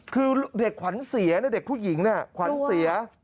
คือเด็กขวัญเสียเด็กผู้หญิงขวัญเสีย